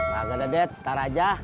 kagak dad ntar aja